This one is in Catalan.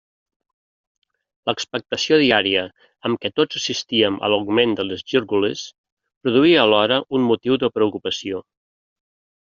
L'expectació diària amb què tots assistíem a l'augment de les gírgoles produïa alhora un motiu de preocupació.